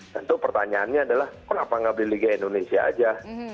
tentu pertanyaannya adalah kenapa tidak beli liga indonesia saja